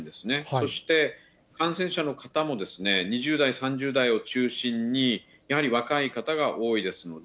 そして感染者の方も２０代、３０代を中心に、やはり若い方が多いですので、